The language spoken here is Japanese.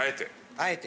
あえて。